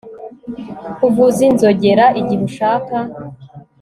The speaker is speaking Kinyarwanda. Kuvuza inzogera igihe ushaka